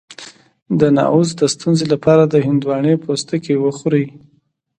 د نعوظ د ستونزې لپاره د هندواڼې پوستکی وخورئ